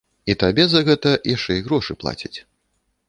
І табе за гэта яшчэ і грошы плацяць.